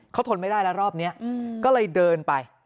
เขาทนไม่ได้แล้วรอบนี้ก็เลยเดินไป